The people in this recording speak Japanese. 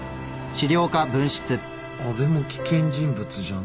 阿部も危険人物じゃない。